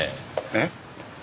えっ？